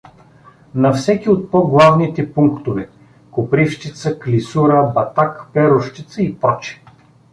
На всеки от по-главните пунктове, Коприщица, Клисура, Батак, Перущица и пр.